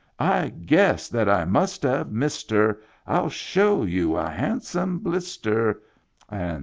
I GUESS that I must have missed her, 1*11 SHOW you a handsome blister, etc.